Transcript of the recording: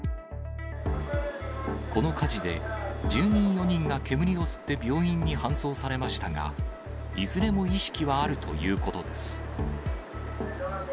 この火事で、住人４人が煙を吸って病院に搬送されましたが、いずれも意識はあるということです。